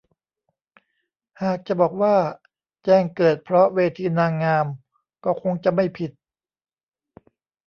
หากจะบอกว่าแจ้งเกิดเพราะเวทีนางงามก็คงจะไม่ผิด